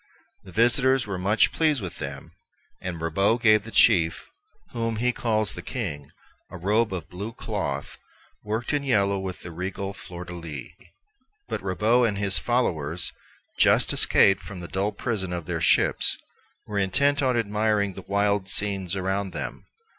Their visitors were much pleased with them, and Ribaut gave the chief, whom he calls the king, a robe of blue cloth, worked in yellow with the regal fleur de lis. But Ribaut and his followers, just escaped from the dull prison of their ships, were intent on admiring the wild scenes around them.